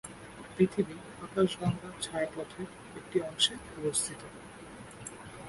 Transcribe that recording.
পৃথিবী আকাশগঙ্গা ছায়াপথের একটি অংশে অবস্থিত।